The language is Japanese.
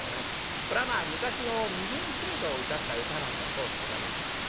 これはまあ昔の身分制度をうたった歌なんだそうでございます。